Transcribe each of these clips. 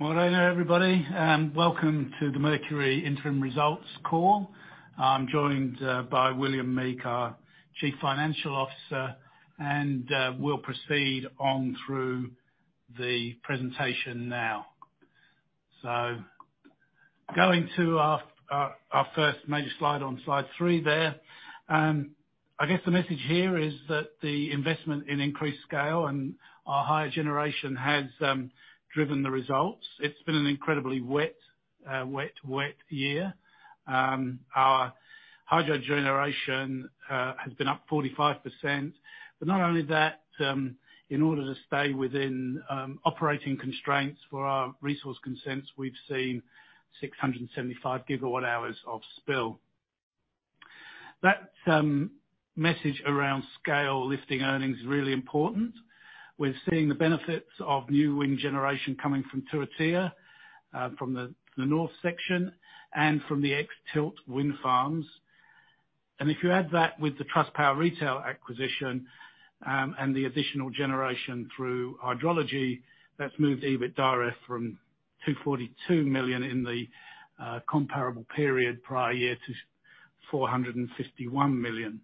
Hi there, everybody, and welcome to the Mercury Interim Results call. I'm joined by William Meek, our Chief Financial Officer, and we'll proceed on through the presentation now. Going to our first major slide on slide three there, I guess the message here is that the investment in increased scale and our higher generation has driven the results. It's been an incredibly wet year. Our hydro generation has been up 45%. Not only that, in order to stay within operating constraints for our resource consents, we've seen 675 GWh of spill. That message around scale lifting earnings is really important. We're seeing the benefits of new wind generation coming from Turitea, from the north section and from the ex-Tilt wind farms. If you add that with the Trustpower retail acquisition, and the additional generation through hydrology, that's moved EBITDA from 242 million in the comparable period prior year to 451 million.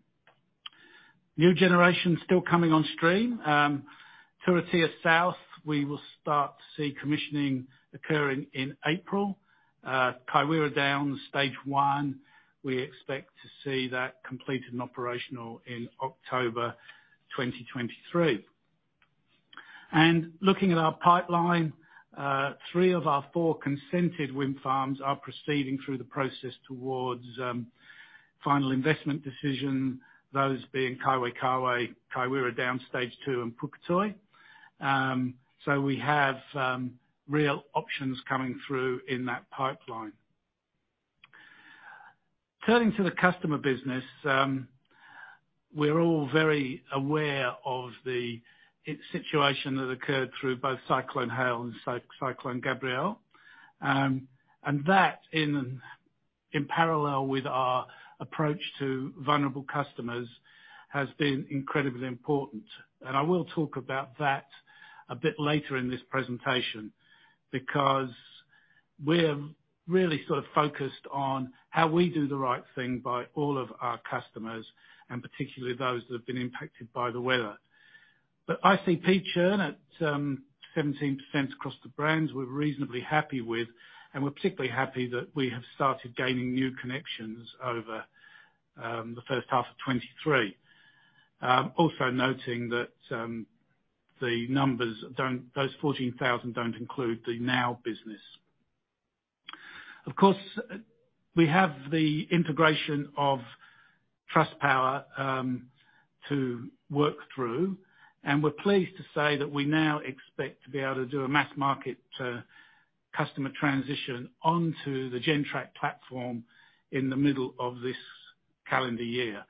New generation still coming on stream. Turitea South, we will start to see commissioning occurring in April. Kaiwera Downs Stage 1, we expect to see that completed and operational in October 2023. Looking at our pipeline, three of our four consented wind farms are proceeding through the process towards final investment decision, those being Kaiwera Downs Stage 2, and Puketoi. We have real options coming through in that pipeline. Turning to the customer business, we're all very aware of the situation that occurred through both Cyclone Hale and Cyclone Gabrielle. That in parallel with our approach to vulnerable customers, has been incredibly important. I will talk about that a bit later in this presentation, because we're really focused on how we do the right thing by all of our customers, and particularly those that have been impacted by the weather. ICP churn at 17% across the brands, we're reasonably happy with, and we're particularly happy that we have started gaining new connections over the first half of 2023. Also noting that those 14,000 don't include the Now business. Of course, we have the integration of Trustpower to work through, and we're pleased to say that we now expect to be able to do a mass market customer transition onto the Gentrack platform in the middle of this calendar year.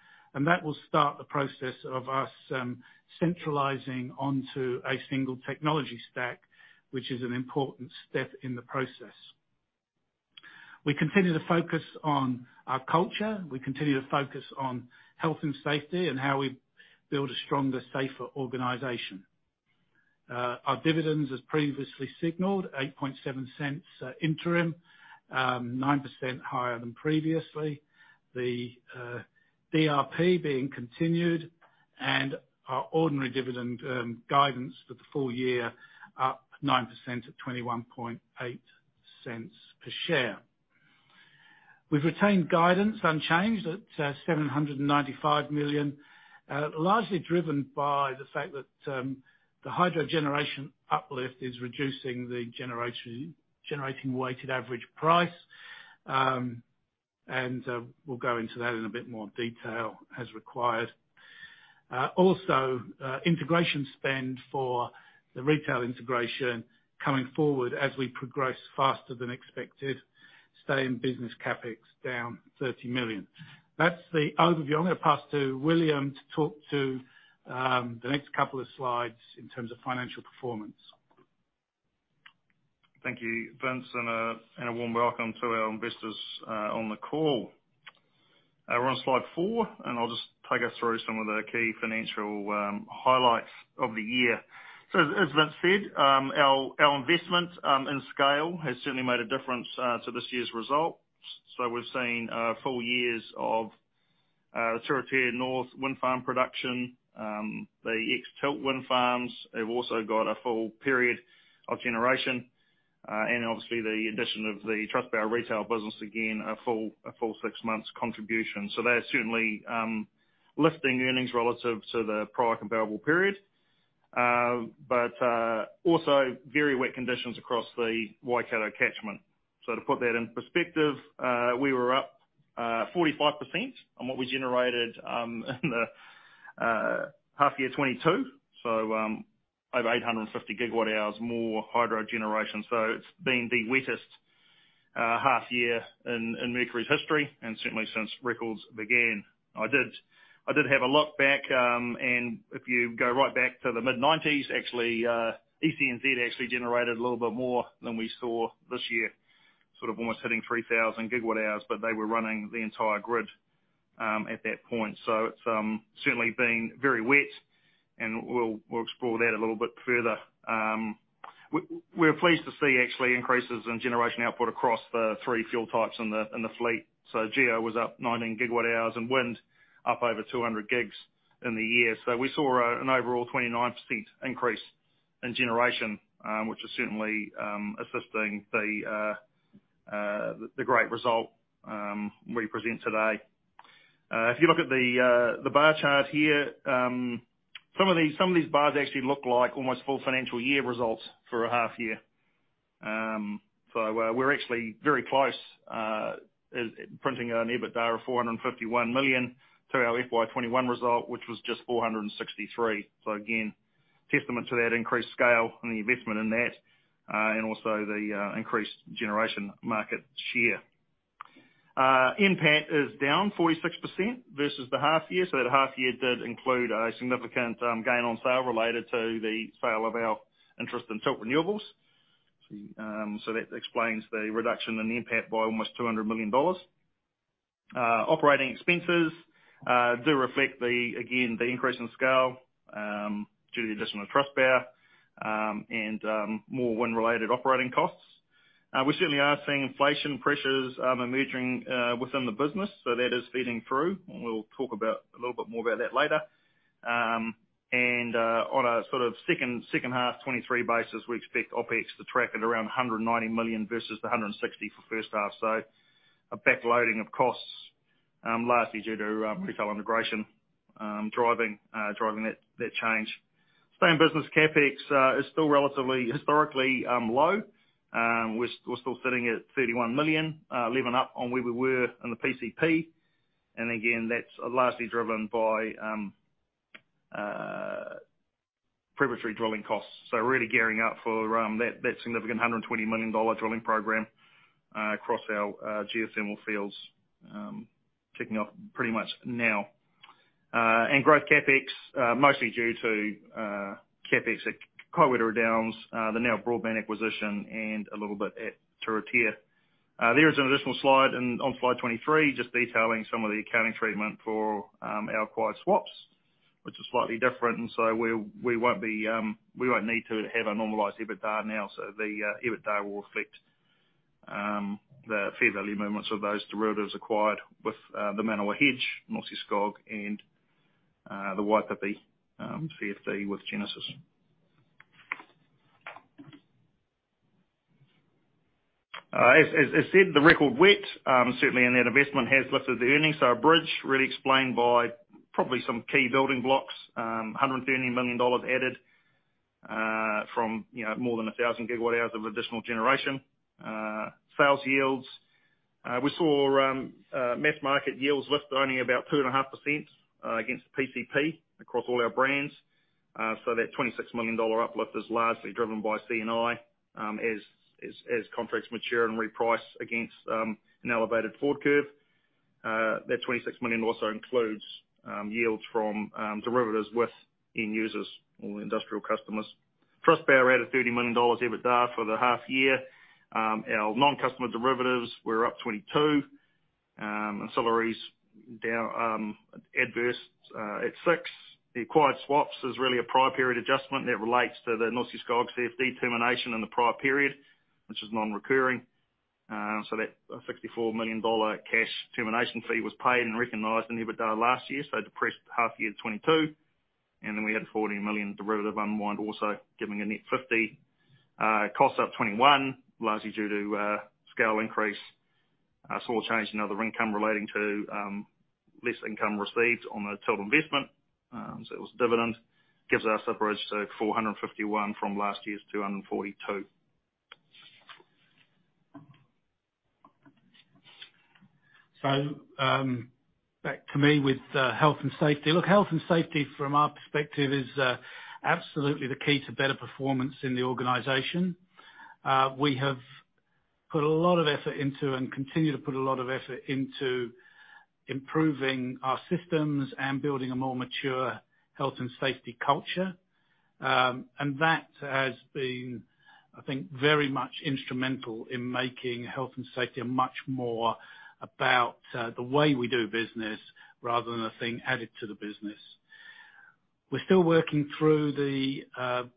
That will start the process of us centralizing onto a single technology stack, which is an important step in the process. We continue to focus on our culture. We continue to focus on health and safety and how we build a stronger, safer organization. Our dividends, as previously signaled, 0.087 interim, 9% higher than previously. The DRP being continued and our ordinary dividend guidance for the full year up 9% at 0.218 per share. We've retained guidance unchanged at 795 million, largely driven by the fact that the hydro generation uplift is reducing the generating weighted average price. We'll go into that in a bit more detail as required. Integration spend for the retail integration coming forward as we progress faster than expected, stay in business CapEx down 30 million. That's the overview. I'm gonna pass to William to talk to the next couple of slides in terms of financial performance. Thank you, Vince, and a warm welcome to our investors on the call. We're on slide four, I'll just take us through some of the key financial highlights of the year. As Vince said, our investment in scale has certainly made a difference to this year's results. We've seen full years of Turitea North Wind Farm production. The ex-Tilt wind farms have also got a full period of generation. Obviously the addition of the Trustpower retail business, again, a full six months contribution. They are certainly lifting earnings relative to the prior comparable period. Also very wet conditions across the Waikato catchment. To put that in perspective, we were up 45% on what we generated in the half year 2022. Over 850 GWh more hydro generation. It's been the wettest half year in Mercury's history, and certainly since records began. I did have a look back, and if you go right back to the mid-nineties, actually, ECNZ actually generated a little bit more than we saw this year, almost hitting 3,000 GWh, but they were running the entire grid at that point. It's certainly been very wet and we'll explore that a little bit further. We're pleased to see actually increases in generation output across the three fuel types in the fleet. Geo was up 19 GWh and wind up over 200 GWh in the year. We saw an overall 29% increase in generation, which is certainly assisting the great result we present today. If you look at the bar chart here, some of these bars actually look like almost full financial year results for a half year. We're actually very close printing an EBITDA of 451 million to our FY21 result, which was just 463 million. Again, testament to that increased scale and the investment in that, and also the increased generation market share. NPAT is down 46% versus the half year. That half year did include a significant gain on sale related to the sale of our interest in Tilt Renewables. That explains the reduction in NPAT by almost 200 million dollars. Operating expenses do reflect the again, the increase in scale due to the additional Trustpower and more wind-related operating costs. We certainly are seeing inflation pressures emerging within the business, that is feeding through. We'll talk a little bit more about that later. On a second half 2023 basis, we expect OpEx to track at around 190 million versus 160 for first half. A backloading of costs, lastly due to retail integration, driving that change. Same business CapEx is still relatively historically low. We're still sitting at 31 million level up on where we were in the PCP. Again, that's lastly driven by preparatory drilling costs. Really gearing up for that significant 120 million dollar drilling program across our geothermal fields, kicking off pretty much now. Growth CapEx mostly due to CapEx at Kaiwera Downs, the Now Broadband acquisition and a little bit at Turitea. There is an additional slide in, on slide 23, just detailing some of the accounting treatment for our acquired swaps, which is slightly different. We won't be, we won't need to have a normalized EBITDA now. The EBITDA will reflect the fair value movements of those derivatives acquired with the Manawa hedge, Norske Skog, and the Waipipi CFD with Genesis. As said, the record wet certainly in that investment has lifted the earnings. Our bridge really explained by probably some key building blocks. 130 million dollars added from more than 1,000 GWh of additional generation. Sales yields, we saw methanol market yields lift only about 2.5% against PCP across all our brands. That 26 million dollar uplift is largely driven by C&I as contracts mature and reprice against an elevated forward curve. That 26 million also includes yields from derivatives with end users or industrial customers. Trustpower added 30 million dollars EBITDA for the half year. Our non-customer derivatives were up 22 million. Ancillaries down, adverse, at 6 million. The acquired swaps is really a prior period adjustment that relates to the Norske Skog CFD termination in the prior period, which is non-recurring. That 54 million dollar cash termination fee was paid and recognized in EBITDA last year, so depressed half year 2022. We had a 14 million derivative unwind also, giving a net 50 million. Costs up 21 million, largely due to scale increase. Saw a change in other income relating to less income received on the Tilt investment, so it was dividend. Gives us a bridge to 451 million from last year's 242 million. Back to me with health and safety. Look, health and safety from our perspective is absolutely the key to better performance in the organization. We have put a lot of effort into and continue to put a lot of effort into improving our systems and building a more mature health and safety culture. That has been, I think, very much instrumental in making health and safety much more about the way we do business rather than a thing added to the business. We're still working through the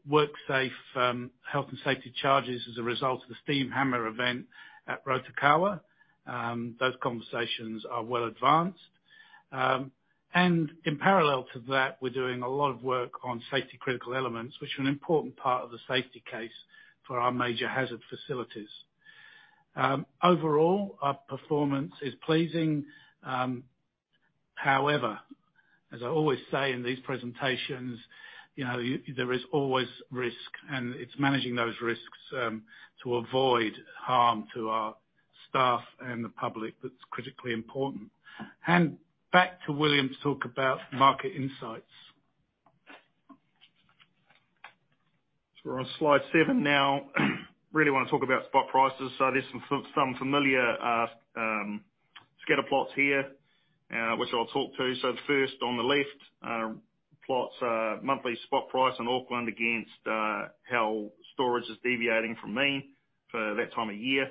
WorkSafe health and safety charges as a result of the steam hammer event at Rotokawa. Those conversations are well advanced. In parallel to that, we're doing a lot of work on safety-critical elements, which are an important part of the safety case for our major hazard facilities. Overall, our performance is pleasing. As I always say in these presentations, there is always risk, and it's managing those risks, to avoid harm to our staff and the public that's critically important. Hand back to William to talk about market insights. We're on slide seven now. Really want to talk about spot prices. There's some familiar scatter plots here, which I'll talk to. The first on the left, Plots monthly spot price in Auckland against how storage is deviating from mean for that time of year.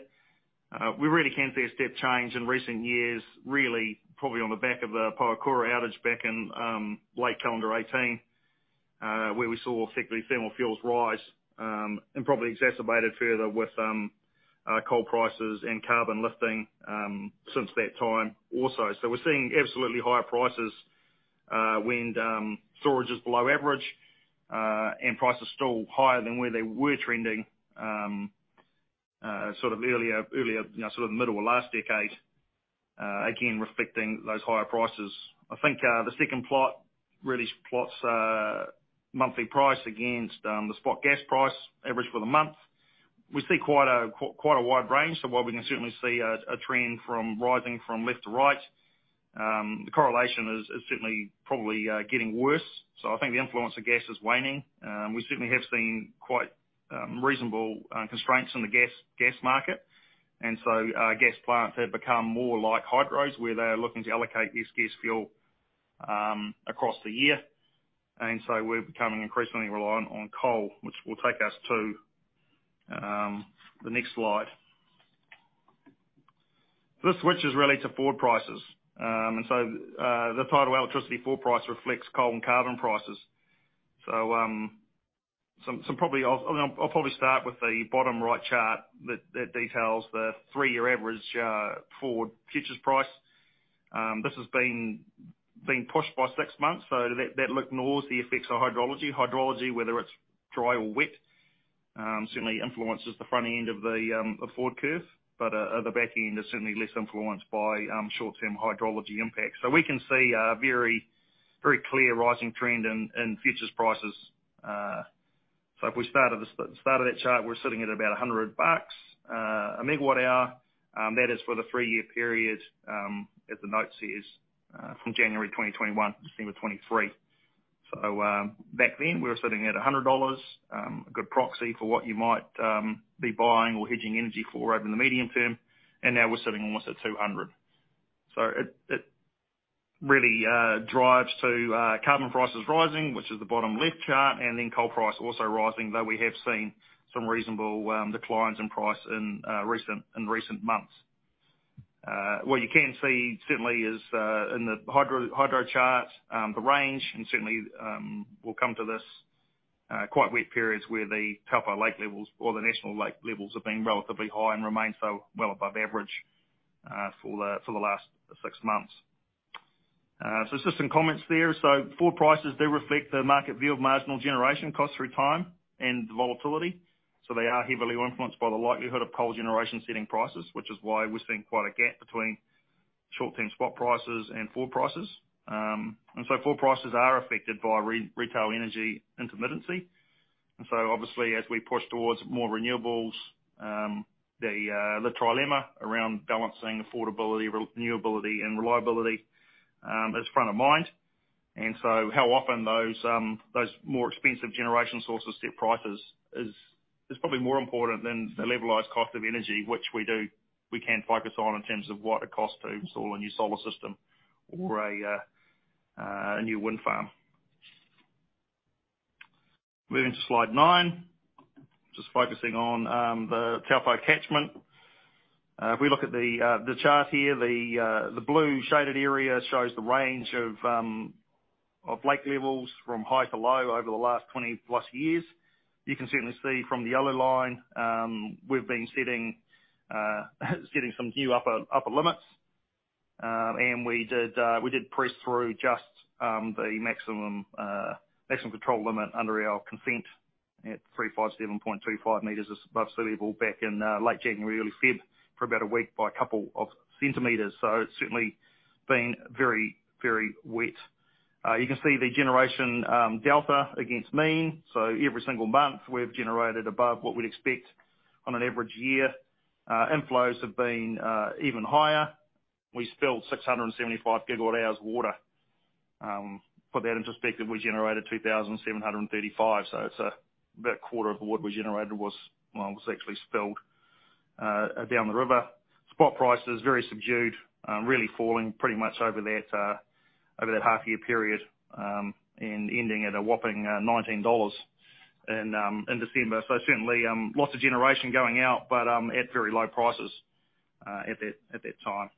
We really can see a step change in recent years, really probably on the back of the Pohokura outage back in late calendar 2018, where we saw effectively thermal fuels rise and probably exacerbated further with coal prices and carbon lifting since that time also. We're seeing absolutely higher prices when storage is below average and prices still higher than where they were trending earlier, middle of last decade, again, reflecting those higher prices. I think the second plot really plots monthly price against the spot gas price average for the month. We see quite a wide range. While we can certainly see a trend from rising from left to right, the correlation is certainly probably getting worse. I think the influence of gas is waning. We certainly have seen quite reasonable constraints in the gas market. Gas plants have become more like hydros, where they're looking to allocate this gas fuel across the year. We're becoming increasingly reliant on coal, which will take us to the next slide. This switches really to forward prices. The tidal electricity forward price reflects coal and carbon prices. Some probably... I'll probably start with the bottom right chart that details the three-year average forward futures price. This has been pushed by six months. That ignores the effects of hydrology. Hydrology, whether it's dry or wet, certainly influences the front end of the forward curve. The back end is certainly less influenced by short-term hydrology impact. We can see a very clear rising trend in futures prices. If we start at the start of that chart, we're sitting at about 100 bucks a megawatt hour. That is for the three-year period, as the note says, from January 2021 to December 2023. Back then we were sitting at 100 dollars, a good proxy for what you might be buying or hedging energy for over the medium term, and now we're sitting almost at 200. It really drives to carbon prices rising, which is the bottom left chart, and then coal price also rising, though we have seen some reasonable declines in price in recent months. What you can see certainly is in the hydro chart, the range, and certainly, we'll come to this, quite wet periods where the Taupō lake levels or the national lake levels have been relatively high and remain so well above average for the last six months. Just some comments there. Forward prices do reflect the market view of marginal generation costs through time and the volatility. They are heavily influenced by the likelihood of coal generation setting prices, which is why we're seeing quite a gap between short-term spot prices and forward prices. Forward prices are affected by retail energy intermittency. Obviously as we push towards more renewables, the trilemma around balancing affordability, renewability, and reliability is front of mind. How often those more expensive generation sources set prices is probably more important than the levelized cost of energy, we can focus on in terms of what it costs to install a new solar system or a new wind farm. Moving to slide nine, just focusing on the Taupō catchment. If we look at the chart here, the blue shaded area shows the range of lake levels from high to low over the last 20+ years. You can certainly see from the yellow line, we've been setting some new upper limits. We did press through just the maximum control limit under our consent at 357.25 meters above sea level back in late January, early February for about a week by a couple of centimeters. It's certainly been very, very wet. You can see the generation delta against mean. Every single month, we've generated above what we'd expect on an average year. Inflows have been even higher. We spilled 675 GWh of water. Put that into perspective, we generated 2,735. It's about a quarter of what we generated was well, actually spilled down the river. Spot prices, very subdued, really falling pretty much over that half year period, and ending at a whopping 19 dollars in December. Certainly, lots of generation going out, but at very low prices at that time.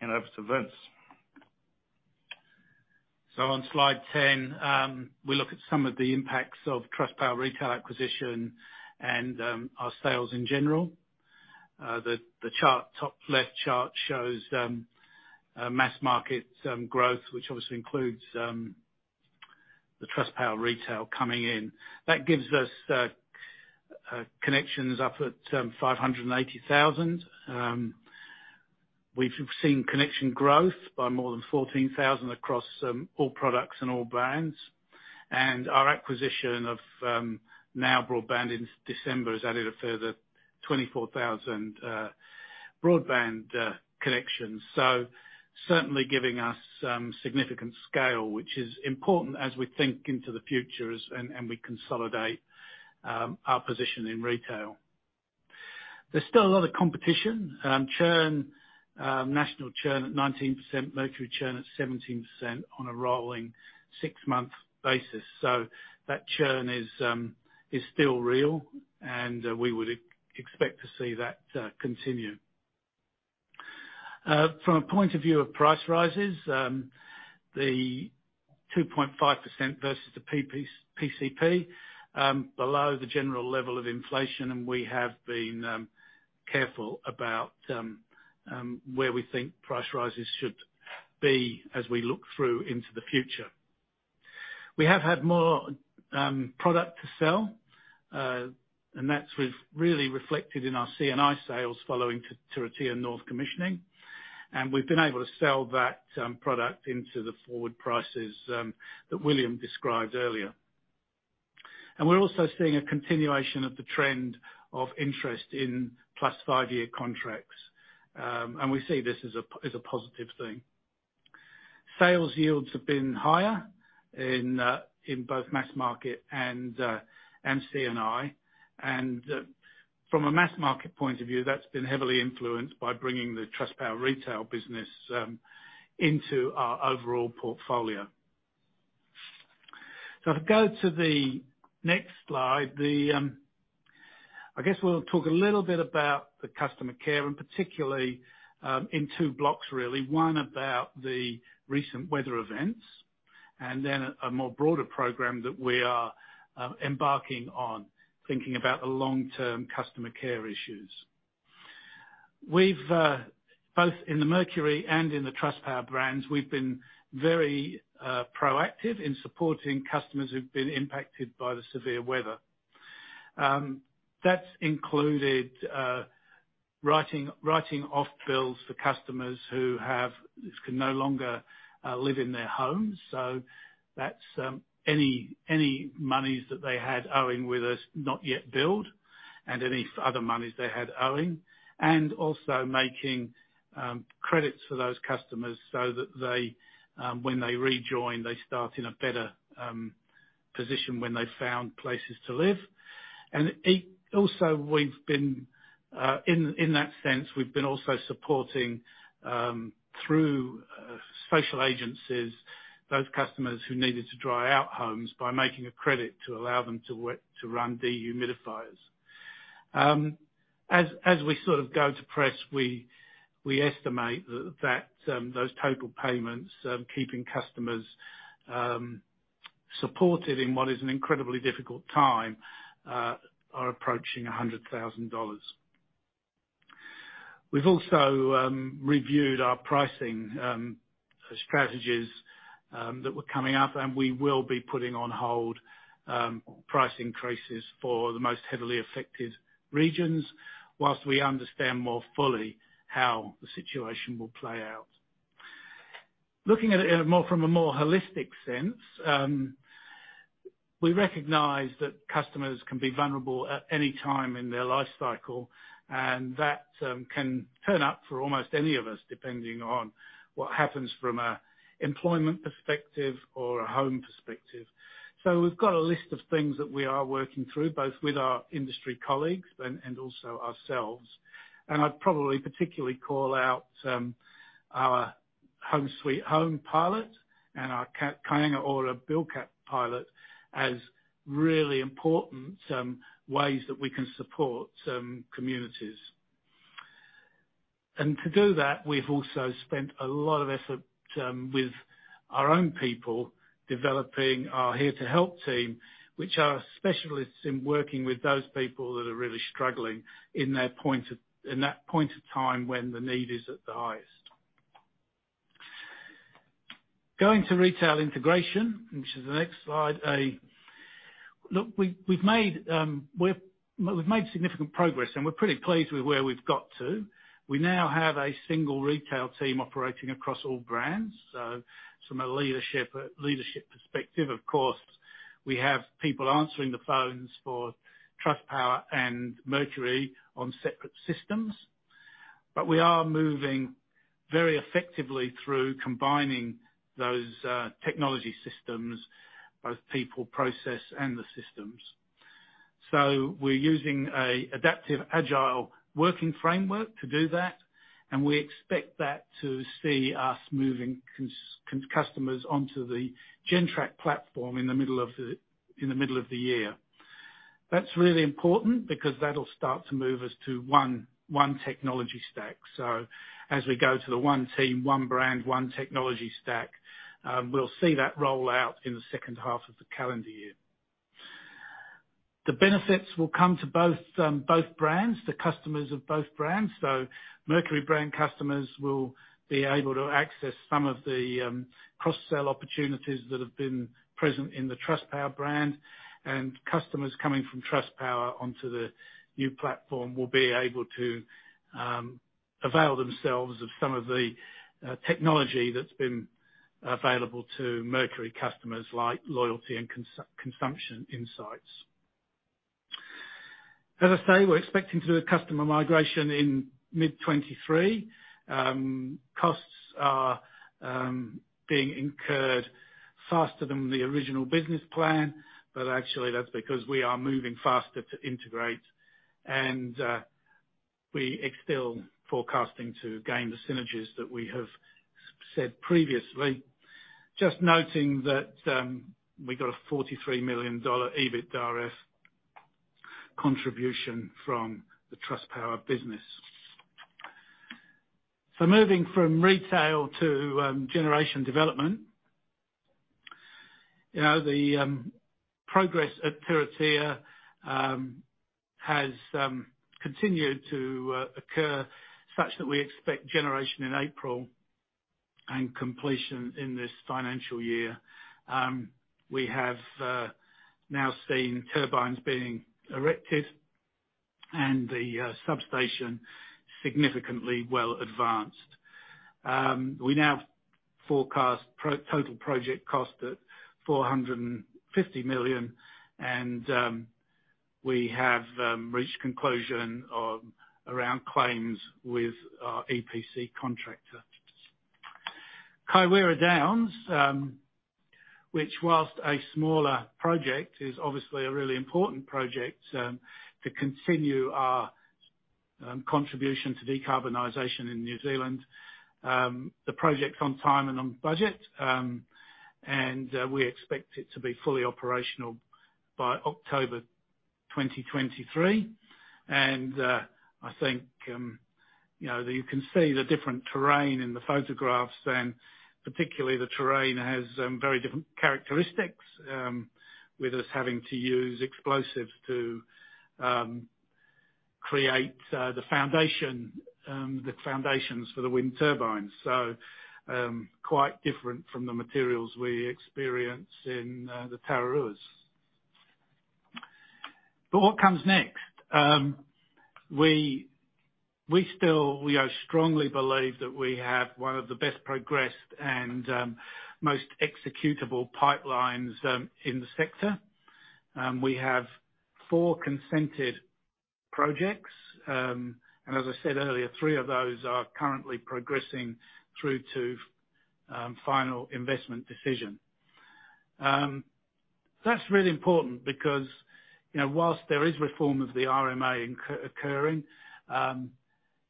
Hand over to Vince. On slide 10, we look at some of the impacts of Trustpower retail acquisition and our sales in general. The top left chart shows mass market growth, which obviously includes the Trustpower retail coming in. That gives us connections up at 580,000. We've seen connection growth by more than 14,000 across all products and all brands. Our acquisition of Now Broadband in December has added a further 24,000 broadband connections. Certainly giving us significant scale, which is important as we think into the future as we consolidate our position in retail. There's still a lot of competition. Churn, national churn at 19%, Mercury churn at 17% on a rolling six-month basis. That churn is still real, and we would expect to see that continue. From a point of view of price rises, the 2.5% versus the PCP, below the general level of inflation, and we have been careful about where we think price rises should be as we look through into the future. We have had more product to sell, and that's really reflected in our C&I sales following Turitea North commissioning, and we've been able to sell that product into the forward prices that William described earlier. We're also seeing a continuation of the trend of interest in +5 year contracts. We see this as a positive thing. Sales yields have been higher in both mass market and MC&I. From a mass market point of view, that's been heavily influenced by bringing the Trustpower retail business into our overall portfolio. If we go to the next slide, I guess we'll talk a little bit about the customer care, and particularly in two blocks, really. One about the recent weather events, and then a more broader program that we are embarking on, thinking about the long-term customer care issues. We've both in the Mercury and in the Trustpower brands, we've been very proactive in supporting customers who've been impacted by the severe weather. That's included writing off bills for customers who can no longer live in their homes. That's any monies that they had owing with us, not yet billed, and any other monies they had owing. Also making credits for those customers so that they, when they rejoin, they start in a better position when they've found places to live. Also, we've been in that sense, we've been also supporting through social agencies, those customers who needed to dry out homes by making a credit to allow them to run dehumidifiers. As we go to press, we estimate that those total payments, keeping customers supported in what is an incredibly difficult time, are approaching 100,000 dollars. We've also reviewed our pricing strategies that were coming up, and we will be putting on hold price increases for the most heavily affected regions whilst we understand more fully how the situation will play out. Looking at it in a more, from a more holistic sense, we recognize that customers can be vulnerable at any time in their life cycle, and that can turn up for almost any of us, depending on what happens from a employment perspective or a home perspective. So we've got a list of things that we are working through, both with our industry colleagues and also ourselves. And I'd probably particularly call out our Home Sweet Home pilot and our Kāinga Ora Bill Cap pilot as really important ways that we can support some communities. To do that, we've also spent a lot of effort with our own people, developing our Here to Help team, which are specialists in working with those people that are really struggling in that point of time when the need is at the highest. Going to retail integration, which is the next slide. Look, we've made significant progress, and we're pretty pleased with where we've got to. We now have a single retail team operating across all brands. From a leadership perspective, of course, we have people answering the phones for Trustpower and Mercury on separate systems. We are moving very effectively through combining those technology systems, both people, process, and the systems. We're using a adaptive agile working framework to do that, and we expect that to see us moving customers onto the Gentrack platform in the middle of the year. That's really important because that'll start to move us to one technology stack. As we go to the one team, one brand, one technology stack, we'll see that roll out in the second half of the calendar year. The benefits will come to both brands, the customers of both brands. Mercury brand customers will be able to access some of the cross-sell opportunities that have been present in the Trustpower brand. Customers coming from Trustpower onto the new platform will be able to avail themselves of some of the technology that's been available to Mercury customers, like loyalty and consumption insights. As I say, we're expecting to do a customer migration in mid-2023. Costs are being incurred faster than the original business plan, but actually that's because we are moving faster to integrate. We are still forecasting to gain the synergies that we have said previously. Just noting that we got a 43 million dollar EBITDAF contribution from the Trustpower business. Moving from retail to generation development. You know, the progress at Turitea has continued to occur such that we expect generation in April and completion in this financial year. We have now seen turbines being erected and the substation significantly well advanced. We now forecast pro-total project cost at 450 million, and we have reached conclusion around claims with our EPC contractor. Kaiwera Downs, which whilst a smaller project, is obviously a really important project to continue our contribution to decarbonization in New Zealand. The project's on time and on budget, and we expect it to be fully operational by October 2023. I think, you can see the different terrain in the photographs, and particularly the terrain has very different characteristics with us having to use explosives to create the foundation, the foundations for the wind turbines. Quite different from the materials we experience in the Tararuas. What comes next? We still, we strongly believe that we have one of the best progressed and most executable pipelines in the sector. We have four consented projects. As I said earlier, three of those are currently progressing through to final investment decision. That's really important because whilst there is reform of the RMA occurring,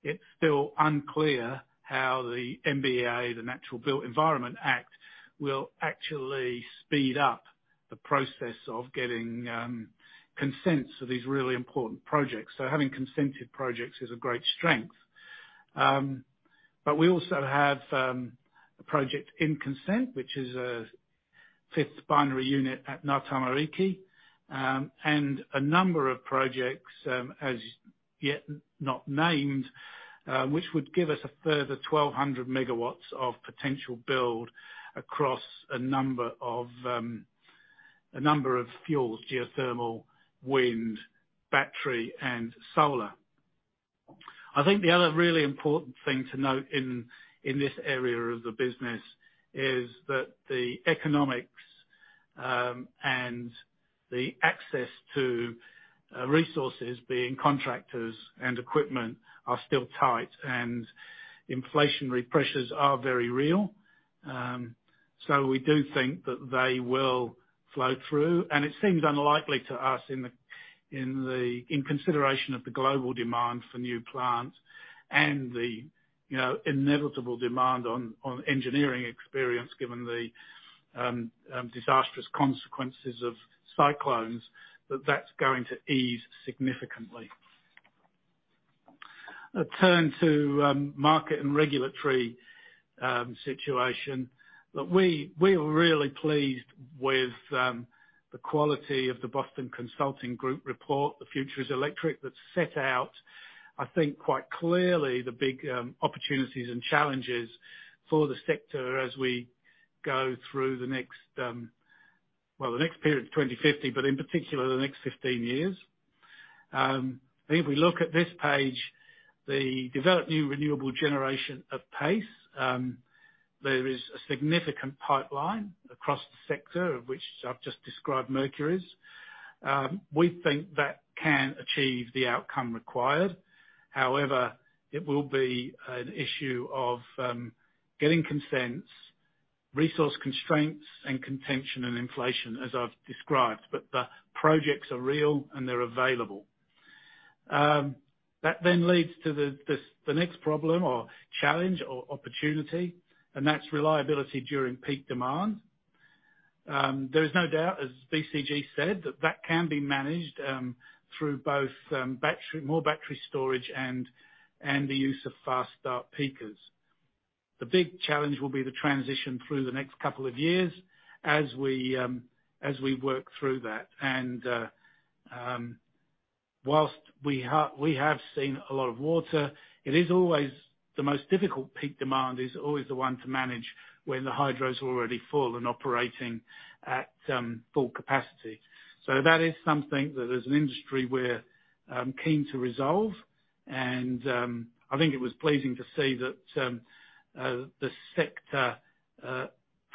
it's still unclear how the NBEA, the Natural and Built Environment Act, will actually speed up the process of getting consents for these really important projects. Having consented projects is a great strength. We also have a project in consent, which is a fifth binary unit at Ngātamariki, and a number of projects, as yet not named, which would give us a further 1,200 megawatts of potential build across a number of fuels: geothermal, wind, battery, and solar. I think the other really important thing to note in this area of the business is that the economics, and the access to resources, being contractors and equipment, are still tight, and inflationary pressures are very real. We do think that they will flow through, and it seems unlikely to us in consideration of the global demand for new plant and the inevitable demand on engineering experience, given the disastrous consequences of cyclones, that that's going to ease significantly. A turn to market and regulatory situation. We're really pleased with the quality of the Boston Consulting Group report, The Future is Electric, that set out, I think quite clearly, the big opportunities and challenges for the sector as we go through the next period to 2050, but in particular, the next 15 years. If we look at this page, the develop new renewable generation of pace, there is a significant pipeline across the sector, of which I've just described Mercury's. We think that can achieve the outcome required. However, it will be an issue of getting consents, resource constraints, and contention and inflation, as I've described. The projects are real, and they're available. That leads to the next problem or challenge or opportunity, and that's reliability during peak demand. There is no doubt, as BCG said, that that can be managed through both battery, more battery storage and the use of fast start peakers. The big challenge will be the transition through the next couple of years as we work through that. Whilst we have seen a lot of water, it is always the most difficult peak demand is always the one to manage when the hydro's already full and operating at full capacity. That is something that as an industry, we're keen to resolve. I think it was pleasing to see that the sector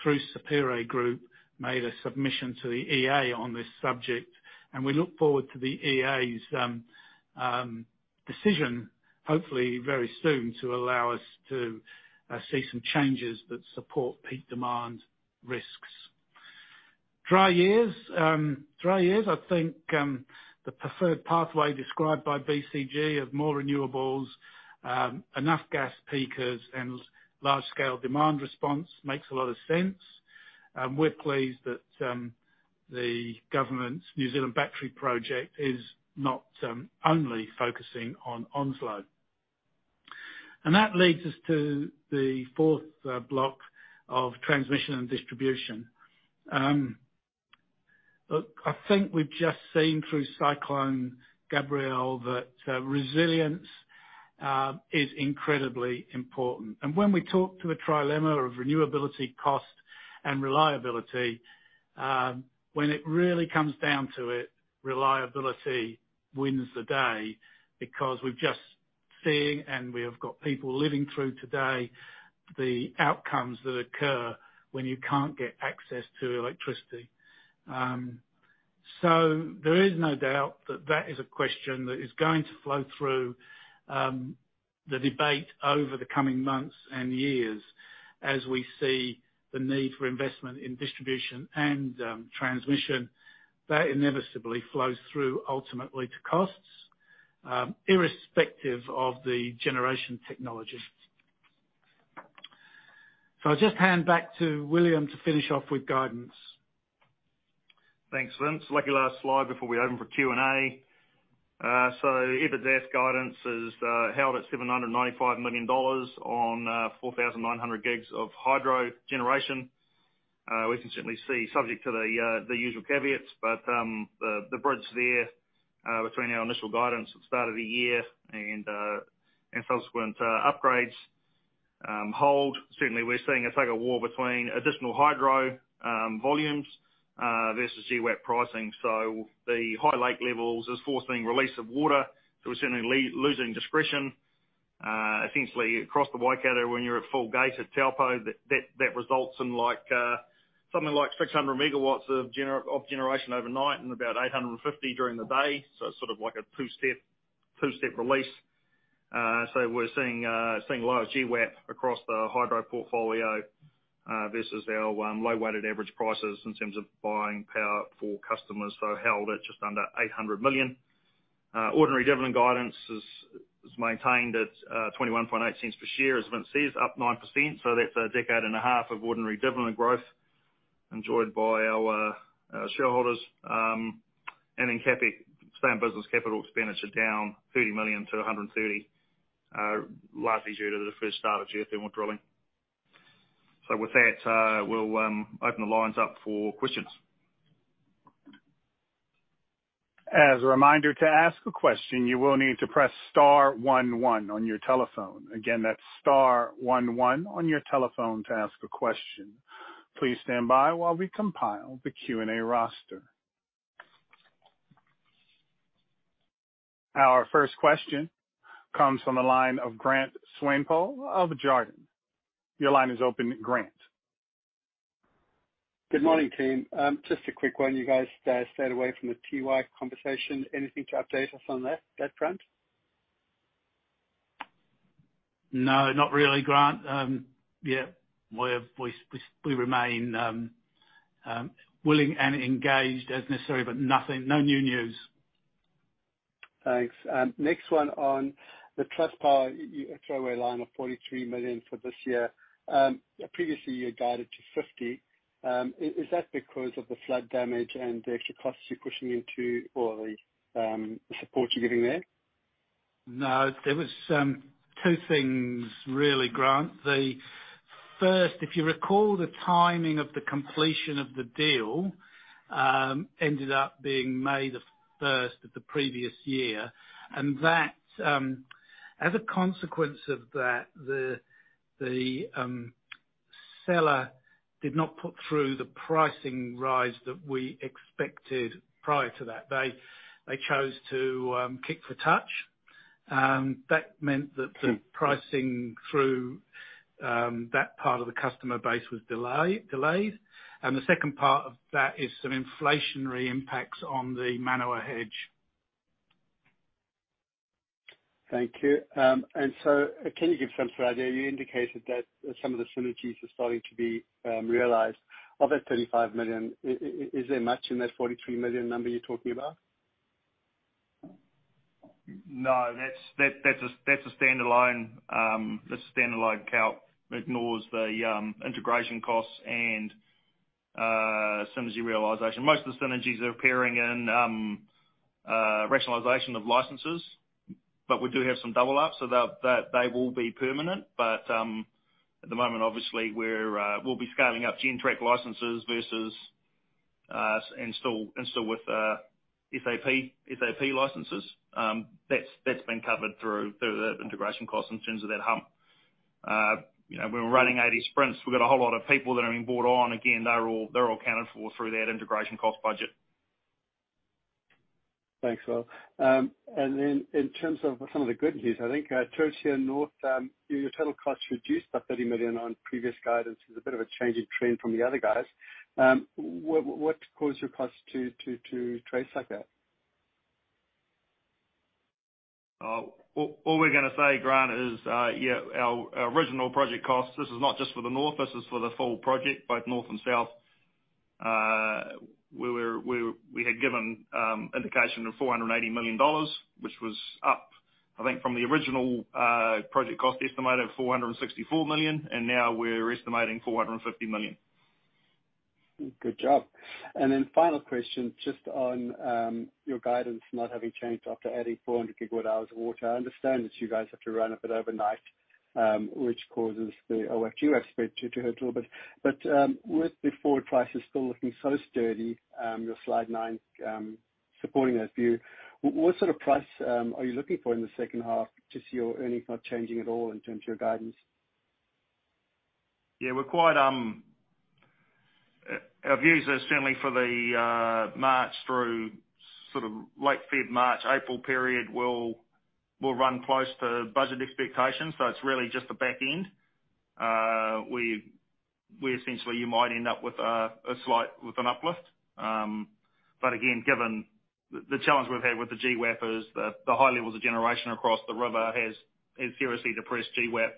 through Sapere Group, made a submission to the EA on this subject, and we look forward to the EA's decision, hopefully very soon, to allow us to see some changes that support peak demand risks. Dry years, I think the preferred pathway described by BCG of more renewables, enough gas peakers and large scale demand response makes a lot of sense. We're pleased that the government's New Zealand Battery Project is not only focusing on Onslow. That leads us to the fourth block of transmission and distribution. Look, I think we've just seen through Cyclone Gabrielle that resilience is incredibly important. When we talk to a trilemma of renewability cost and reliability, when it really comes down to it, reliability wins the day because we're just seeing, and we have got people living through today, the outcomes that occur when you can't get access to electricity. There is no doubt that that is a question that is going to flow through the debate over the coming months and years as we see the need for investment in distribution and transmission. That inevitably flows through ultimately to costs, irrespective of the generation technology. I'll just hand back to William to finish off with guidance. Thanks, Vince. Lucky last slide before we open for Q&A. EBITDAs guidance is held at 795 million dollars on 4,900 gigs of hydro generation. We can certainly see subject to the usual caveats. The bridge there between our initial guidance at the start of the year and subsequent upgrades hold. Certainly, we're seeing a tug of war between additional hydro volumes versus GWAP pricing. The high lake levels is forcing release of water, so we're certainly losing discretion essentially across the Waikato when you're at full gate at Taupō. That results in like something like 600 megawatts of generation overnight and about 850 during the day. It's like a two-step release. We're seeing a lot of GWAP across the hydro portfolio versus our low weighted average prices in terms of buying power for customers, held at just under 800 million. Ordinary dividend guidance is maintained at 0.218 per share, as Vince says, up 9%. That's a decade and a half of ordinary dividend growth enjoyed by our shareholders. In CapEx, same business capital expenditure, down 30 million to 130 million, largely due to the first start of geothermal drilling. With that, we'll open the lines up for questions. As a reminder, to ask a question, you will need to press star one one on your telephone. Again, that's star one one on your telephone to ask a question. Please stand by while we compile the Q&A roster. Our first question comes from the line of Grant Swanepoel of Jarden. Your line is open, Grant. Good morning, team. Just a quick one. You guys, stayed away from the TY conversation. Anything to update us on that front? No, not really, Grant. Yeah, we remain willing and engaged as necessary, but nothing, no new news. Thanks. Next one on the Trustpower throwaway line of 43 million for this year, previously you guided to 50 million, is that because of the flood damage and the extra costs you're pushing into or the support you're giving there? No. There was two things really, Grant. The first, if you recall, the timing of the completion of the deal, ended up being May 1st of the previous year. That, as a consequence of that, the seller did not put through the pricing rise that we expected prior to that. They chose to kick for touch. That meant that the pricing through that part of the customer base was delayed. The second part of that is some inflationary impacts on the Manawa hedge. Thank you. Can you give some idea, you indicated that some of the synergies are starting to be realized. Of that 35 million, is there much in that 43 million number you're talking about? No, that's a standalone count. It ignores the integration costs and synergy realization. Most of the synergies are appearing in rationalization of licenses. We do have some double up, so they will be permanent. At the moment, obviously we're scaling up Gentrack licenses versus install with FAP licenses. That's been covered through the integration costs in terms of that hump. You know, we were running 80 sprints. We've got a whole lot of people that are being brought on. Again, they're all accounted for through that integration cost budget. Thanks, Will. In terms of some of the good news, I think, Turitea North, your total costs reduced by $30 million on previous guidance. It's a bit of a change in trend from the other guys. What caused your costs to trace like that? All we're gonna say, Grant, is our original project cost, this is not just for the north, this is for the full project, both north and south. We had given indication of 480 million dollars, which was up, I think, from the original project cost estimate of 464 million. Now we're estimating 450 million. Good job. Final question, just on your guidance not having changed after adding 400 GWh of water. I understand that you guys have to run a bit overnight, which causes the expected to hurt a little bit. With the forward prices still looking so sturdy, your slide nine supporting that view, what price are you looking for in the second half to see your earnings not changing at all in terms of your guidance? Yeah, we're quite. Our view is that certainly for the March through late Feb, March, April period, we'll run close to budget expectations. It's really just the back end. We essentially you might end up with an uplift. Again, given the challenge we've had with the GWAP is the high levels of generation across the river has seriously depressed GWAP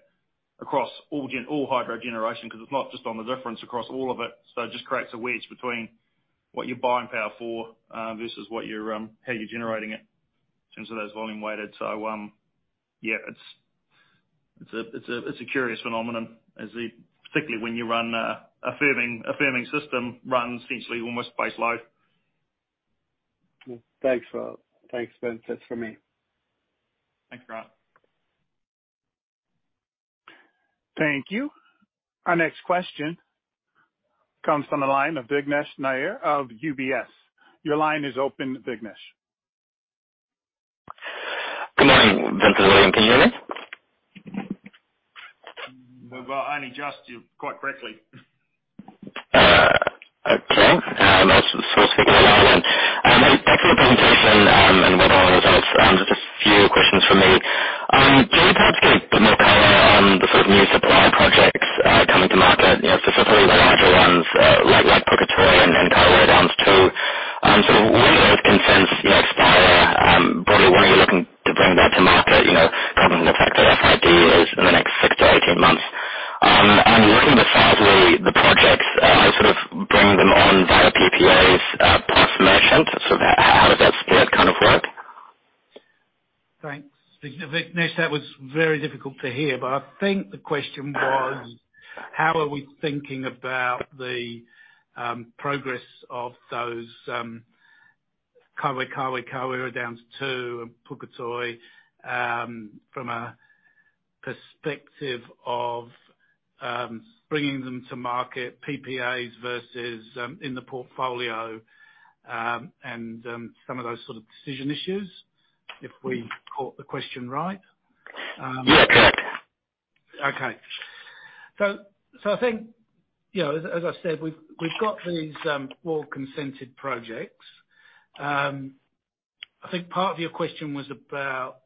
across all hydro generation, because it's not just on the difference across all of it. It just creates a wedge between what you're buying power for versus what you're how you're generating it in terms of those volume weighted. It's a curious phenomenon, particularly when you run a firming system, run essentially almost base load. Thanks, Rob. Thanks, Ben. That's from me. Thanks, Grant. Thank you. Our next question comes from the line of Vignesh Nair of UBS. Your line is open, Vignesh. Good morning, gentlemen. Can you hear me? We've only just, you, quite frankly. Okay. That's thanks for the presentation and well done on the results. Just a few questions from me. Can you perhaps give a bit more color on the new supply projects coming to market, specifically the larger ones, like Puketoi and Kaiwera Downs 2? When are those consents expire? Broadly, when are you looking to bring that to market? You know, given the fact that FID is in the next six-18 months. Looking besides the projects, bring them on via PPAs plus merchant. How does that split kind of work? Thanks. Vignesh, that was very difficult to hear, I think the question was, how are we thinking about the progress of those Kaiwera Downs 2 and Puketoi, from a perspective of bringing them to market PPAs versus in the portfolio, and some of those decision issues, if we caught the question right. Yeah, correct. Okay. I think, as I said, we've got these well-consented projects. I think part of your question was about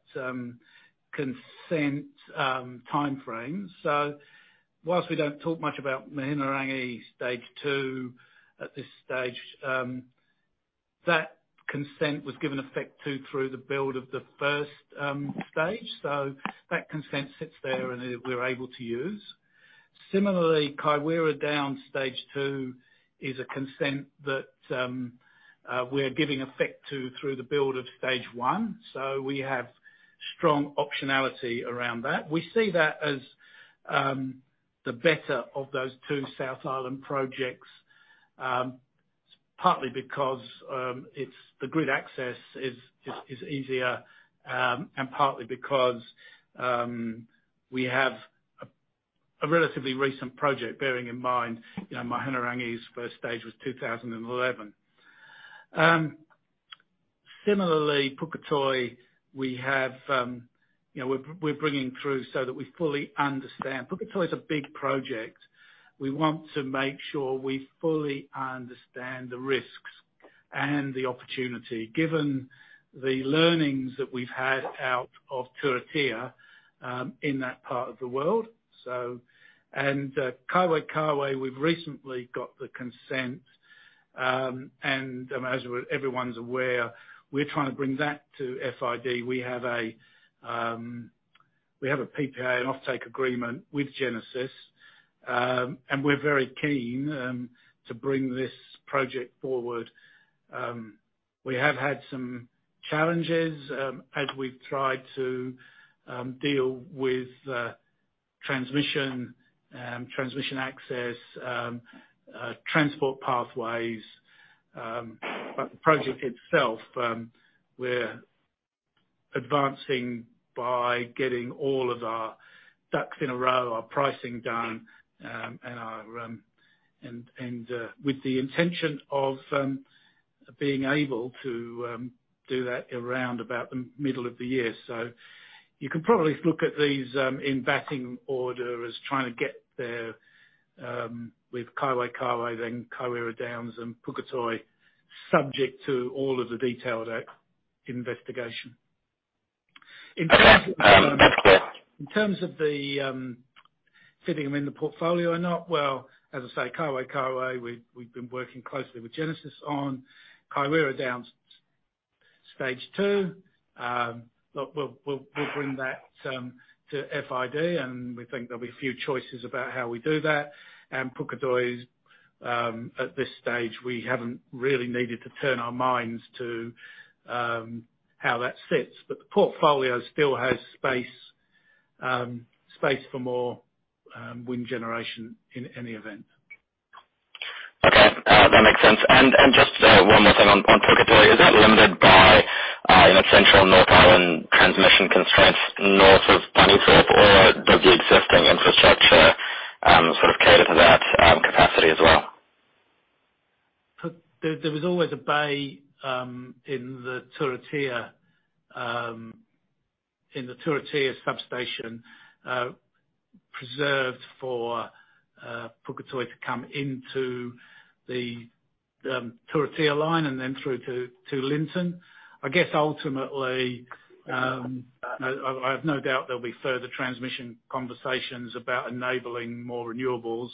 consent timeframes. Whilst we don't talk much about Mahinerangi Stage Two at this stage, that consent was given effect to through the build of the first stage. That consent sits there, and we're able to use. Similarly, Kaiwera Downs Stage 2 is a consent that we're giving effect to through the build of stage one. We have strong optionality around that. We see that as the better of those two South Island projects, partly because the grid access is easier, and partly because we have a relatively recent project, bearing in mind, Mahinerangi's first stage was 2011. Similarly, Puketoi, we have, we're bringing through so that we fully understand. Puketoi is a big project. We want to make sure we fully understand the risks and the opportunity, given the learnings that we've had out of Turitea in that part of the world. Kaiwera, we've recently got the consent. As everyone's aware, we're trying to bring that to FID. We have a PPA and offtake agreement with Genesis. We're very keen to bring this project forward. We have had some challenges as we've tried to deal with transmission access, transport pathways. The project itself, we're advancing by getting all of our ducks in a row, our pricing done, and our, with the intention of being able to do that around about the middle of the year. You could probably look at these in batting order as trying to get there with Kaiwera, then Kaiwera Downs and Puketoi, subject to all of the detailed investigation. In terms of the, fitting them in the portfolio or not? Well, as I say, Kaiwera, we've been working closely with Genesis on. Kaiwera Downs Stage 2, we'll bring that to FID, and we think there'll be a few choices about how we do that. Puketoi, at this stage, we haven't really needed to turn our minds to how that fits. The portfolio still has space for more wind generation in any event. Okay. That makes sense. Just one more thing on Puketoi. Is that limited by Central North Island transmission constraints north of Dannevirke, or does the existing infrastructure cater to that capacity as well? There was always a bay in the Turitea in the Turitea substation preserved for Puketoi to come into the Turitea line and then through to Linton. I guess ultimately, I have no doubt there'll be further transmission conversations about enabling more renewables.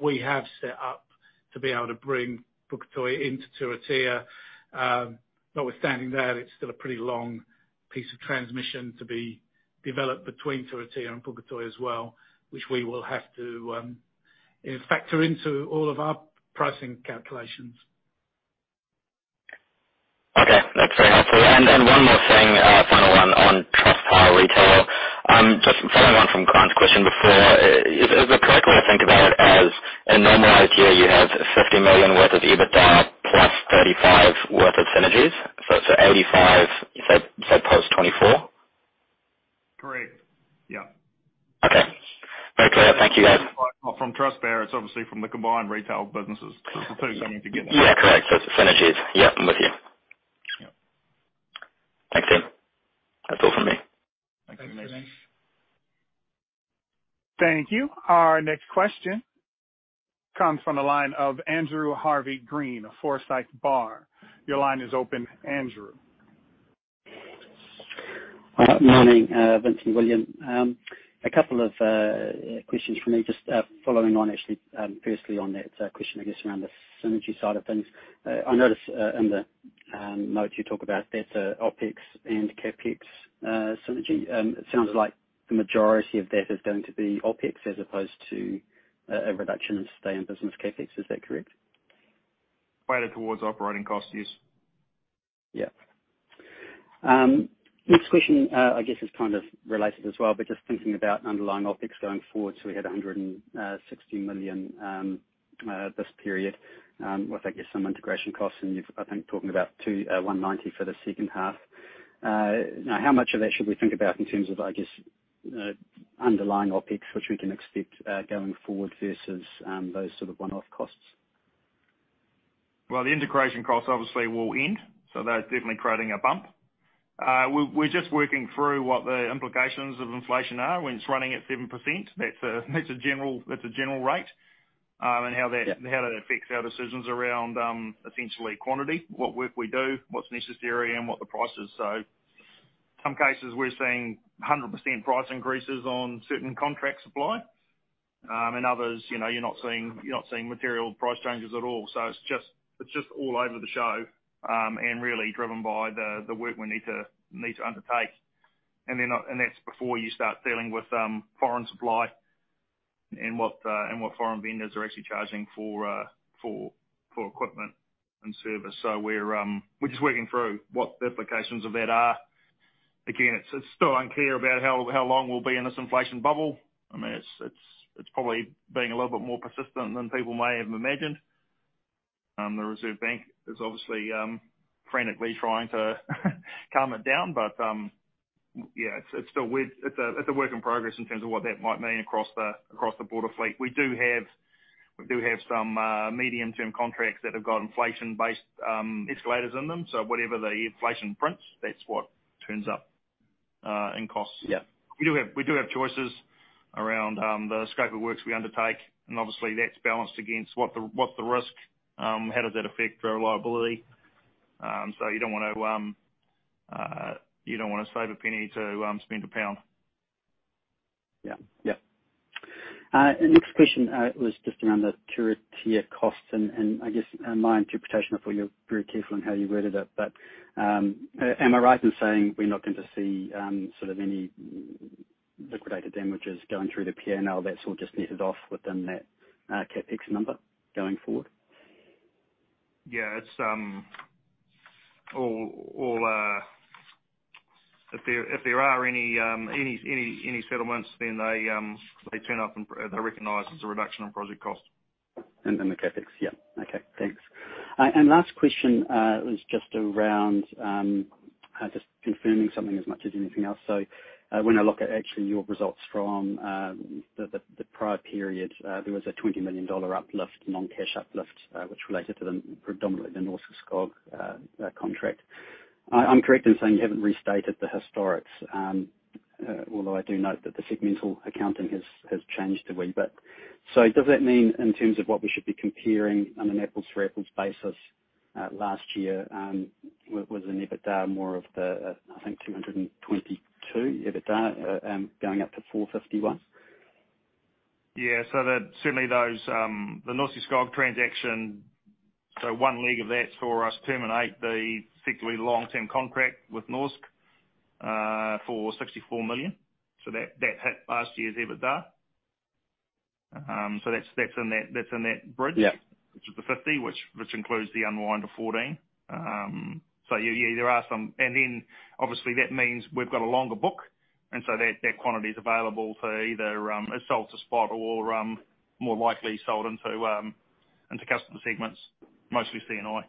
We have set up to be able to bring Puketoi into Turitea. Notwithstanding that, it's still a pretty long piece of transmission to be developed between Turitea and Puketoi as well, which we will have to factor into all of our pricing calculations. Okay, that's very helpful. One more thing, final one on Trustpower retail. Just following on from Grant's question before, is the correct way to think about it as in normalized year, you had 50 million worth of EBITDA plus 35 worth of synergies, so 85, you said post 2024? Correct. Yeah. Okay. Very clear. Thank you, guys. Not from Trustpower. It's obviously from the combined retail businesses. The two you need to get there. Yeah, correct. Synergies. Yeah, I'm with you. Yeah. Thanks, Will. That's all from me. Thanks. Thank you. Our next question comes from the line of Andrew Harvey-Green of Forsyth Barr. Your line is open, Andrew. Morning, Vincent and William. A couple of questions from me, just following on actually, firstly on that question, I guess, around the synergy side of things. I notice in the notes you talk about better OpEx and CapEx synergy. It sounds like the majority of that is going to be OpEx as opposed to a reduction in stay and business CapEx. Is that correct? Weighted towards operating costs, yes. Yeah. Next question, I guess is kind of related as well, but just thinking about underlying OpEx going forward. We had 160 million this period with I guess some integration costs. You're, I think, talking about 190 million for the second half. Now, how much of that should we think about in terms of, I guess, underlying OpEx, which we can expect going forward versus those one-off costs? The integration costs obviously will end, so that's definitely creating a bump. We're just working through what the implications of inflation are when it's running at 7%. That's a general rate. How that affects our decisions around, essentially quantity, what work we do, what's necessary and what the price is. Some cases we're seeing 100% price increases on certain contract supply. Others, you're not seeing material price changes at all. It's just all over the show, and really driven by the work we need to undertake. Then, that's before you start dealing with foreign supply and what, and what foreign vendors are actually charging for equipment and service. We're just working through what the implications of that are. Again, it's still unclear about how long we'll be in this inflation bubble. I mean, it's probably being a little bit more persistent than people may have imagined. The Reserve Bank is obviously frantically trying to calm it down. It's still weird. It's a work in progress in terms of what that might mean across the border fleet. We do have some medium-term contracts that have got inflation-based escalators in them, so whatever the inflation prints, that's what turns up in costs. Yeah. We do have choices around the scope of works we undertake. Obviously that's balanced against what the risk, how does that affect reliability. You don't wanna save a penny to spend a pound. Yeah. Yeah. Next question was just around the Turitea costs and I guess, my interpretation, although you're very careful in how you worded it, but, am I right in saying we're not going to see any liquidated damages going through the P&L? That's all just netted off within that CapEx number going forward? It's all. If there are any settlements, then they turn up and they're recognized as a reduction in project cost. In the CapEx? Yeah. Okay, thanks. Last question was just around just confirming something as much as anything else. When I look at actually your results from the prior period, there was a 20 million dollar uplift, non-cash uplift, which related to the predominantly Norske Skog contract. I'm correct in saying you haven't restated the historics? Although I do note that the segmental accounting has changed a wee bit. Does that mean in terms of what we should be comparing on an apples-for-apples basis? Last year was an EBITDA more of the, I think 222 EBITDA, going up to 451. Yeah. That, certainly those, the Norske Skog transaction. One leg of that for us terminate the particularly long-term contract with Norsk for $64 million. That, that hit last year's EBITDA. That's, that's in that's in that bridge which is the 50, which includes the unwind of 14. Yeah, there are some... Then obviously that means we've got a longer book, and so that quantity is available for either, it's sold to spot or more likely sold into customer segments, mostly C&I.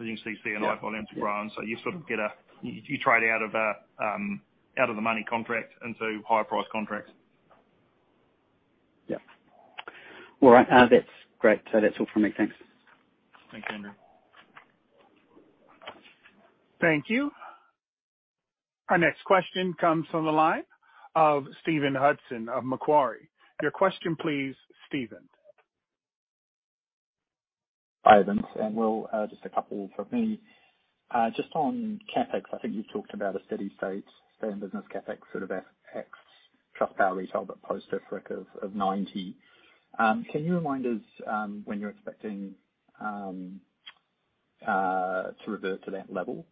You can see C&I volumes grow. You get a, you trade out of a out of the money contract into higher price contracts. Yeah. All right. That's great. That's all from me. Thanks. Thanks, Andrew. Thank you. Our next question comes from the line of Stephen Hudson of Macquarie. Your question please, Stephen. Hi, Vince and Will. Just a couple from me. Just on CapEx, I think you've talked about a steady state, same business CapEx, ex Trustpower retail, but post-FRAC of 90. Can you remind us when you're expecting to revert to that level?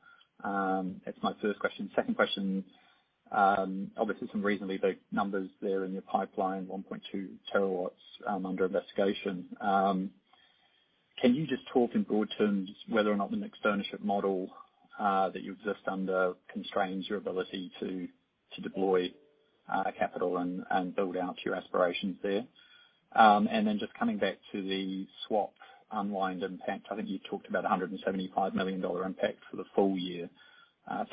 That's my first question. Second question, obviously some reasonably big numbers there in your pipeline, 1.2 terawatts under investigation. Can you just talk in broad terms whether or not the mixed ownership model that you exist under constrains your ability to deploy capital and build out your aspirations there? Just coming back to the swap unwind impact, I think you talked about an 175 million dollar impact for the full year,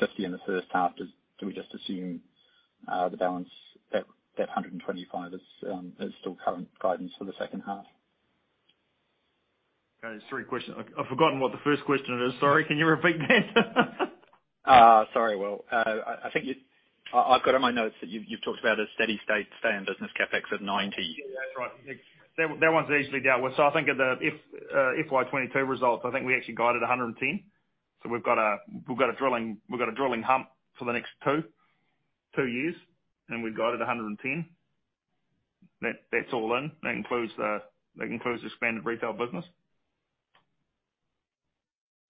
50 in the first half. Do we just assume that 125 is still current guidance for the second half? Okay. There's three questions. I've forgotten what the first question is. Sorry, can you repeat that? Sorry, Will. I've got on my notes that you've talked about a steady state, same business CapEx at 90. Yeah, that's right. That one's easily dealt with. I think at the FY 2022 results, I think we actually guided 110. We've got a drilling hump for the next two years, and we've guided 110. That's all in. That includes expanded retail business.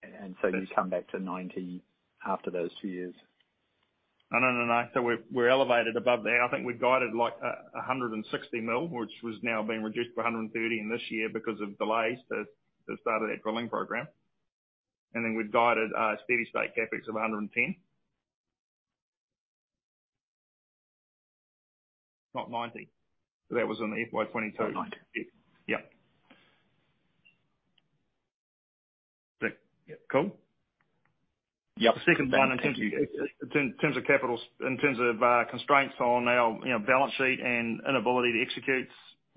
You come back to 90 after those two years? No. We're elevated above there. I think we've guided 160 million, which was now being reduced to 130 million in this year because of delays to start of that drilling program. We've guided steady state CapEx of 110 million. Not 90 million. That was on the FY 2022- Ninety. Yeah. Cool? Yeah. The second one. Thanks. In terms of capital. In terms of constraints on our balance sheet and inability to execute,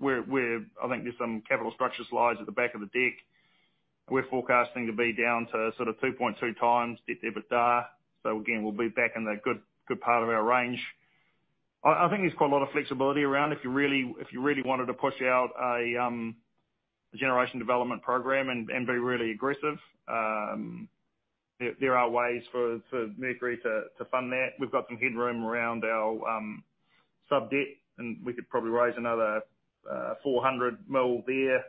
I think there's some capital structure slides at the back of the deck. We're forecasting to be down to 2.2x debt to EBITDA. Again, we'll be back in the good part of our range. I think there's quite a lot of flexibility around if you really wanted to push out a generation development program and be really aggressive, there are ways for Mercury to fund that. We've got some headroom around our sub-debt, and we could probably raise another 400 million there.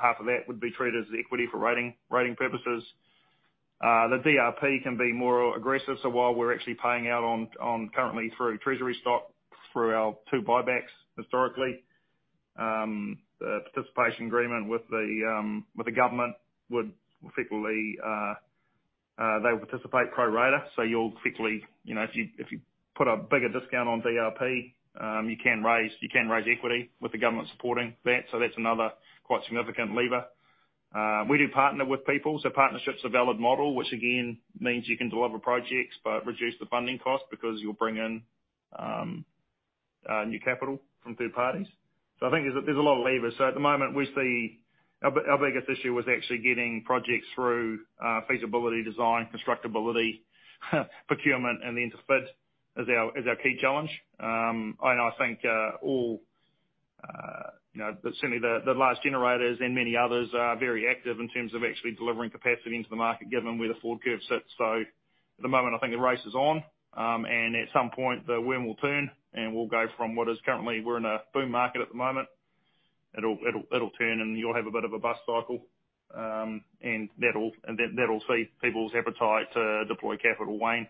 Half of that would be treated as equity for rating purposes. The DRP can be more aggressive. While we're actually paying out on currently through treasury stock through our two buybacks historically, the participation agreement with the government would effectively, they'll participate pro rata. You'll quickly, if you put a bigger discount on DRP, you can raise equity with the government supporting that. That's another quite significant lever. We do partner with people, so partnership's a valid model, which again, means you can deliver projects but reduce the funding cost because you'll bring in new capital from third parties. I think there's a lot of levers. At the moment, we see our biggest issue is actually getting projects through feasibility, design, constructability, procurement, and then to FID is our key challenge. I think, certainly the large generators and many others are very active in terms of actually delivering capacity into the market, given where the forward curve sits. At the moment, I think the race is on, and at some point the wind will turn, and we'll go from what is currently, we're in a boom market at the moment. It'll turn, and you'll have a bit of a bust cycle, and that'll see people's appetite to deploy capital wane.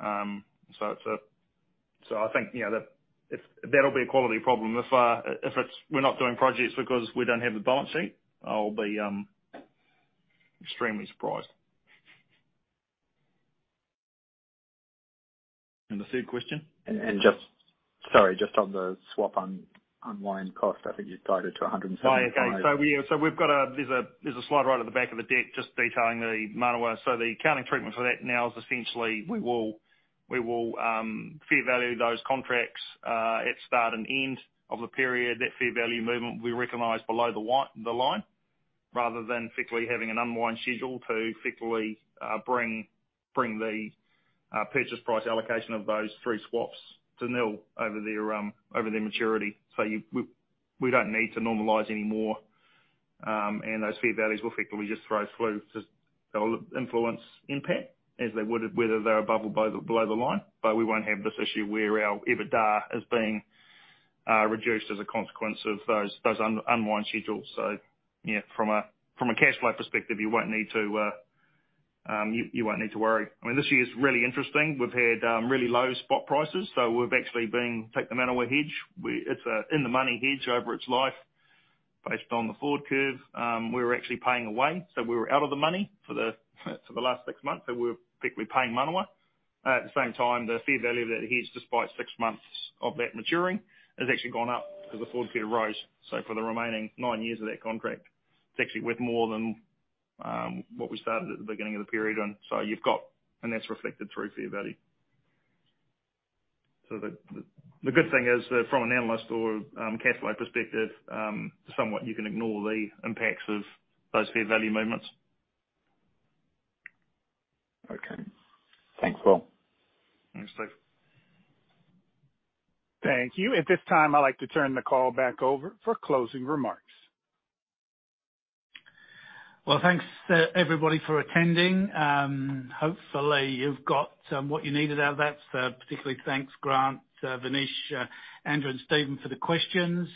I think that'll be a quality problem. If, if it's we're not doing projects because we don't have the balance sheet, I'll be extremely surprised. The third question? Sorry, just on the swap unwind cost, I think you tied it to 175. Okay. We've got a, there's a slide right at the back of the deck just detailing the Manawa. The accounting treatment for that now is essentially we will fair value those contracts at start and end of the period. That fair value movement will be recognized below the line, rather than quickly having an unwind schedule to quickly bring Our purchase price allocation of those three swaps to nil over their maturity. We don't need to normalize any more, and those fair values will effectively just throw through. Just they'll influence impact as they would, whether they're above or below the line. We won't have this issue where our EBITDA is being reduced as a consequence of those unwound schedules. From a cash flow perspective, you won't need to worry. I mean, this year is really interesting. We've had really low spot prices, we've actually been take the Manawa hedge. It's a in the money hedge over its life based on the forward curve. We were actually paying away, we were out of the money for the last six months, we're effectively paying Manawa. At the same time, the fair value of that hedge, despite six months of that maturing, has actually gone up because the forward curve rose. For the remaining nine years of that contract, it's actually worth more than what we started at the beginning of the period. That's reflected through fair value. The good thing is that from an analyst or cash flow perspective, somewhat you can ignore the impacts of those fair value movements. Okay. Thanks, Will. Thanks, Steve. Thank you. At this time, I'd like to turn the call back over for closing remarks. Well, thanks everybody for attending. Hopefully you've got what you needed out of that. Particularly thanks, Grant, Vignesh, Andrew and Stephen for the questions.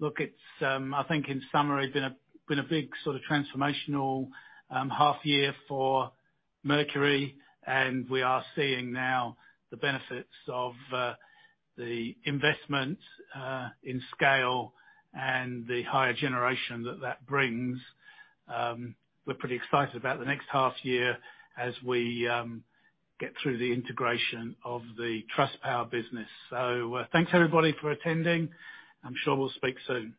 Look, it's, I think in summary, been a big transformational half year for Mercury, and we are seeing now the benefits of the investment in scale and the higher generation that that brings. We're pretty excited about the next half year as we get through the integration of the Trustpower business. Thanks everybody for attending. I'm sure we'll speak soon.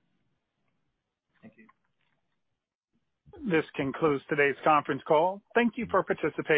Thank you. This concludes today's conference call. Thank you for participating.